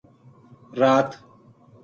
رات